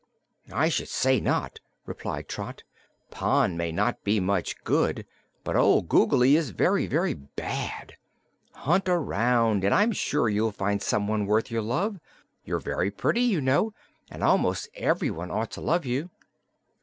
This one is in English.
"I should say not!" replied Trot. "Pon may not be much good, but old Googly is very, very bad. Hunt around, and I'm sure you'll find someone worth your love. You're very pretty, you know, and almost anyone ought to love you."